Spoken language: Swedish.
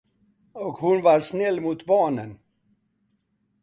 Och hon var snäll mot barnen.